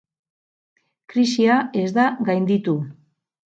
Krisia ez da gainditu.